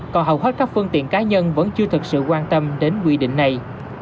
còn hầu hết các phương tiện cá nhân vẫn chưa thực sự quan tâm đến quy định này